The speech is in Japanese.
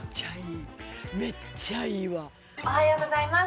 おはようございます